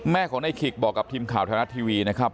แม่ของนายขิกบอกกับทีมข่าวธนาทีวีนะครับ